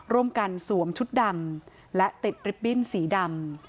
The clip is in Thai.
ร่วมกันสวมชุดดำและติดริปบิ้นสีดำ